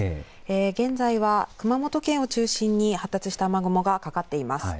現在は熊本県を中心に発達した雨雲がかかっています。